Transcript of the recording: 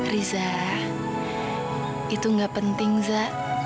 riza itu gak penting za